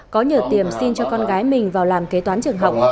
có nhờ tiềm xin cho con gái mình vào làm kế toán trường học